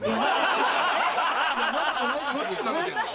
しょっちゅう舐めてんの？